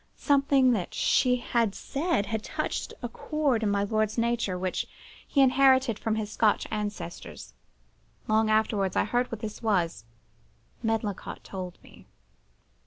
Something that she had said had touched a chord in my lord's nature which he inherited from his Scotch ancestors. Long afterwards, I heard what this was. Medlicott told me.